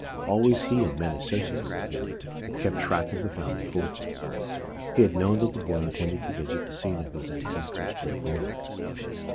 Always he, and men associated with him, had kept track of the family fortunes. He had known that the boy intended to visit the scene of his ancestor's great romance.